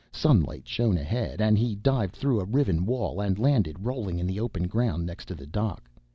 Sunlight shone ahead and he dived through a riven wall and landed, rolling in the open ground next to the dock.